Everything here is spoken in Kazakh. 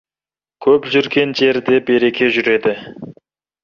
Көп жүрген жерде береке жүреді.